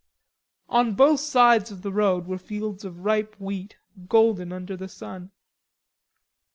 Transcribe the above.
On both sides of the road were fields of ripe wheat, golden under the sun.